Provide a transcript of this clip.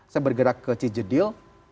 saya bergerak ke cijedil